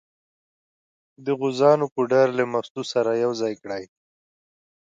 د غوزانو پوډر له مستو سره یو ځای کړئ.